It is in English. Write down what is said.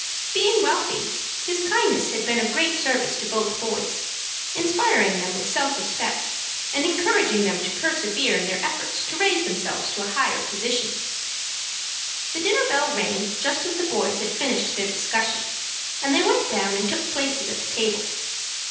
Being wealthy, his kindness had been of great service to both boys, inspiring them with self respect, and encouraging them to persevere in their efforts to raise themselves to a higher position. The dinner bell rang just as the boys had finished their discussion, and they went down and took places at the table.